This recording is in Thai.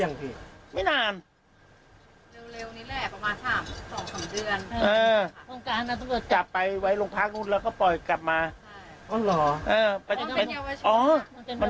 มันมีหลายชื่ออยู่ที่โครงการนี้โครงการเขาแก้งฟาร์มอยู่